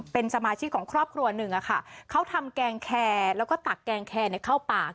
เป็นสมาชิกของครอบครัวหนึ่งอะค่ะเขาทำแกงแคร์แล้วก็ตักแกงแคร์เข้าปาก